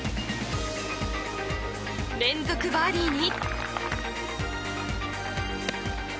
連続バーディーに。